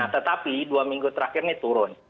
tetapi dua minggu terakhir ini turun